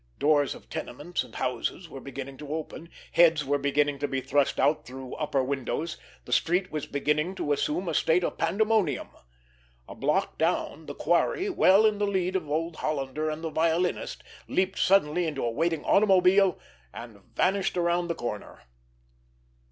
Doors of tenements and houses were beginning to open; heads were beginning to be thrust out through upper windows; the street was beginning to assume a state of pandemonium. A block down, the quarry, well in the lead of the old Hollander and the violinist, leaped suddenly into a waiting automobile, and vanished around the corner.